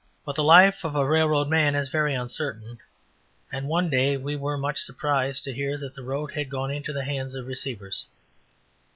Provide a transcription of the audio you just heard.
But the life of a railroad man is very uncertain, and one day we were much surprised to hear that the road had gone into the hands of receivers.